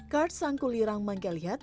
kars sangku lirang mangkalihat